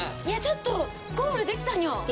いやちょっとゴールできたニャ。